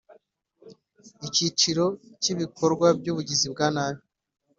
Icyiciro cya Ibikorwa by ubugizi bwa nabi